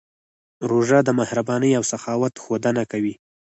روژه د مهربانۍ او سخاوت ښودنه کوي.